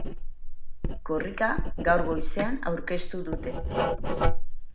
Korrika gaur goizean aurkeztu dute.